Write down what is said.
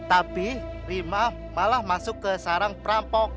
tapi rima malah masuk ke sarang perampok